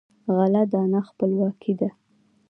غله دانه خپلواکي ده.